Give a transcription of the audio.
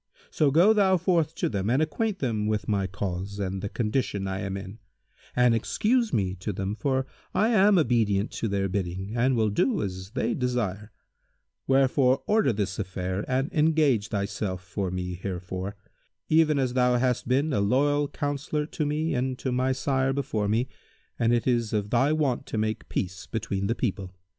So go thou forth to them and acquaint them with my case and the condition I am in; and excuse me to them, for I am obedient to their bidding and will do as they desire; wherefore order this affair and engage thyself for me herefor, even as thou hast been a loyal counsellor to me and to my sire before me, and it is of thy wont to make peace between the people.